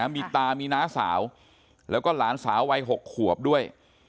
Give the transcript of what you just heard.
มีตามีน้าสาวแล้วก็หลานสาววัย๖ขวบด้วย